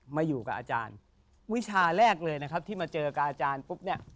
มาอยู่กับอาจารย์วิชาแรกเลยนะครับที่มาเจอกับอาจารย์ปุ๊บเนี่ย